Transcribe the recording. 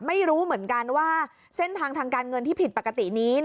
ไม่รู้เหมือนกันว่าเส้นทางทางการเงินที่ผิดปกตินี้